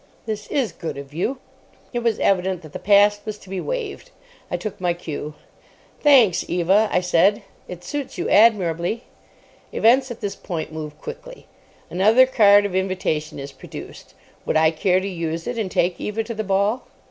This is good of you!" It was evident that the past was to be waived. I took my cue. "Thanks, Eva," I said; "it suits you admirably." Events at this point move quickly. Another card of invitation is produced. Would I care to use it, and take Eva to the ball?